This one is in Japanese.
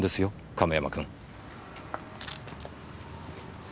亀山君。